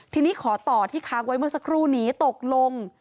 ทีนี้ขอต่อที่ค้าไวเมอร์สกรูหนีตกลง